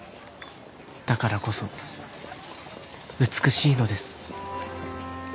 「だからこそ美しいのです」